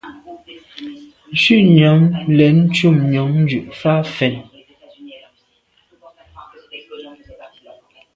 Shutnyàm lem ntùm njon dù’ fa fèn.